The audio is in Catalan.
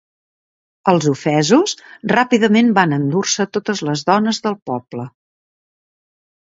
Els ofesos ràpidament van endur-se totes les dones del poble.